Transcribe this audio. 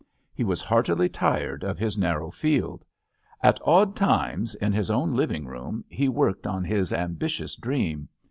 He was heartily tired of his narrow field. At odd times, in his own living room, he worked on his ambitious dream.